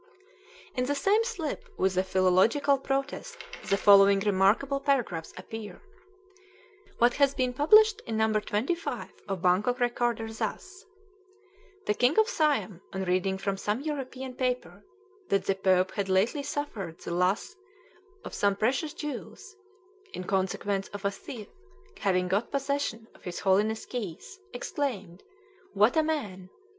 In the same slip with the philological protest the following remarkable paragraphs appear: "What has been published in No. 25 of Bangkok Recorder thus: "'The king of Siam, on reading from some European paper that the Pope had lately suffered the loss of some precious jewels, in consequence of a thief having got possession of his Holiness' keys, exclaimed, "What a man!